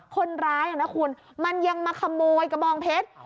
คนร้ายนะคุณมันยังมาขโมยกระบองเพชร